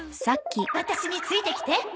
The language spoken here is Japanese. ワタシについてきて！